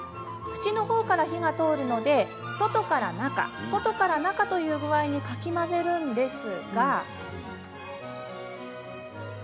縁のほうから火が通るので外から中、外から中という具合にかき混ぜるんですが。